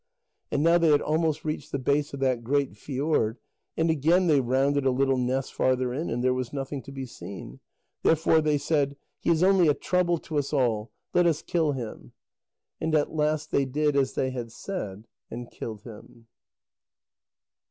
And now they had almost reached the base of that great fjord, and again they rounded a little ness farther in, and there was nothing to be seen. Therefore they said: "He is only a trouble to us all: let us kill him." And at last they did as they had said, and killed him.